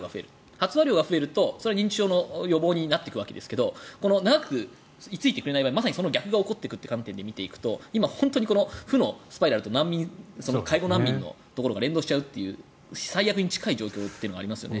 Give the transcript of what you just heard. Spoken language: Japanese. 発話量が増えるとそれは認知症の予防になっていくわけですが長く居着いてくれないとまさにその逆が起こっていくという観点で見ていくと今、本当に負のスパイラルと介護難民のところが連動しちゃうという最悪に近い状況がありますよね。